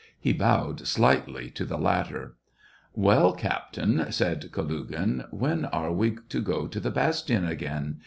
He bowed slightly to the latter. Well, Captain," said Kalugin, " when are we to go to the bastion again